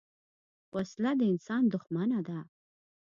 وسله د انسان دښمنه ده